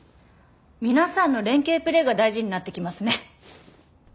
皆さんの連係プレーが大事になってきますね。